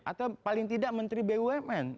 atau paling tidak menteri bumn